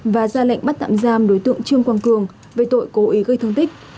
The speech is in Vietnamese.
và ra lệnh bắt tạm giam đối tượng trương quang cường về tội cố ý gây thương tích